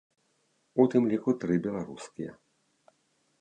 У тым ліку тры беларускія.